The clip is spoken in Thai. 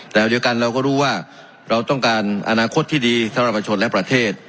แต่เดียวกันเราก็รู้ว่าเราต้องการอนาคตที่ดีสำหรับประชนและประเทศ